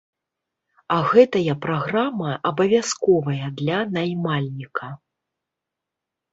А гэтая праграма абавязковая для наймальніка.